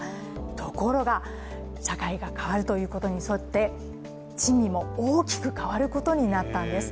ところが、社会が変わるということに沿って珍味も大きく変わることになったんです。